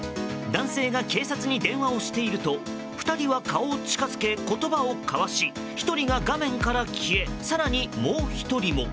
男性が警察に電話をしていると２人は顔を近づけ言葉を交わし１人が画面から消え更にもう１人も。